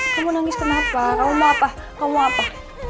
kamu nangis kenapa kamu mau apa